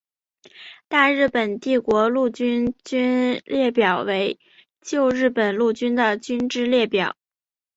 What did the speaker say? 大日本帝国陆军军列表为旧日本陆军的军之列表。